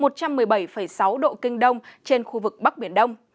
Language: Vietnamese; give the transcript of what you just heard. tức là một trăm một mươi bảy sáu độ kinh đông trên khu vực bắc biển đông